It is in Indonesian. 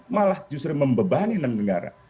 malah justru membebanin negara